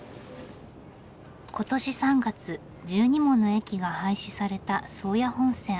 今年３月１２もの駅が廃止された宗谷本線。